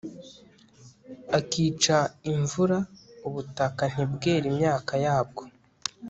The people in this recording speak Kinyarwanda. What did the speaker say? akica imvura ubutaka ntibwere imyaka yabwo